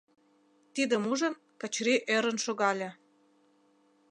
Тидым ужын, Качырий ӧрын шогале.